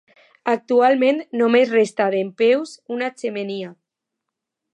Actualment només resta dempeus una xemeneia.